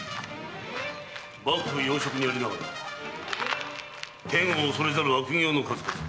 幕府要職にありながら天を恐れざる悪行の数々。